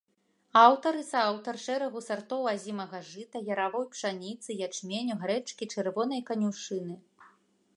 Аўтар і сааўтар шэрагу сартоў азімага жыта, яравой пшаніцы, ячменю, грэчкі, чырвонай канюшыны.